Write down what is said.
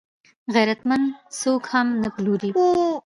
غیرتمند څوک هم نه پلوري